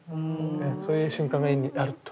そういう瞬間が絵にあると。